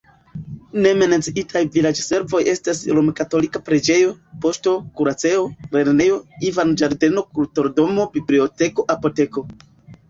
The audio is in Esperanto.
Ne menciitaj vilaĝservoj estas romkatolika preĝejo, poŝto, kuracejo, lernejo, infanĝardeno, kulturdomo, biblioteko, apoteko.